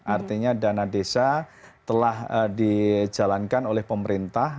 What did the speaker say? artinya dana desa telah dijalankan oleh pemerintah